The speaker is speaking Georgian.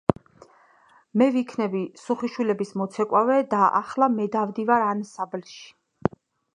მე ვიქნები სუხიშვილების მოცეკვავე და ახლა მე დავდივარ ანსამბლში.